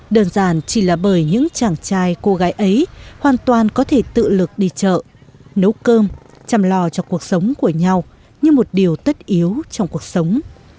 đơn giản chỉ là bởi những chàng trai cô gái ấy hoàn toàn có thể tự lực đi chợ nấu cơm chăm lo cho cuộc sống của nhau như một điều tất yếu trong cuộc sống